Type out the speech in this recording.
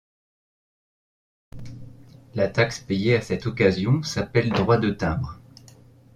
La taxe payée à cette occasion s'appelle droit de timbre.